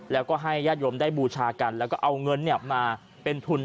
แล้วก็ให้ญาติโยมได้บูชากันแล้วก็เอาเงินมาเป็นทุน